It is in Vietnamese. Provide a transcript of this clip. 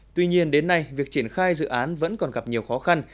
tuy nhiên đến nay việc triển khai dự án vẫn còn gặp nhiều khó khăn